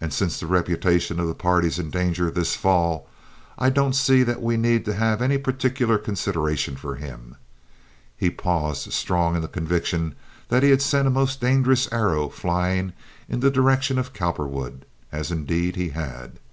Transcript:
And since the reputation of the party's in danger this fall, I don't see that we need to have any particular consideration for him." He paused, strong in the conviction that he had sent a most dangerous arrow flying in the direction of Cowperwood, as indeed he had.